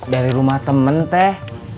dari rumah temen teh